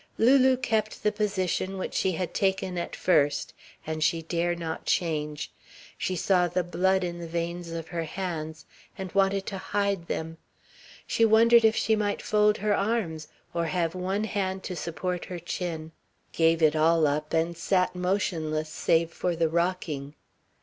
Lulu kept the position which she had taken at first, and she dare not change. She saw the blood in the veins of her hands and wanted to hide them. She wondered if she might fold her arms, or have one hand to support her chin, gave it all up and sat motionless, save for the rocking.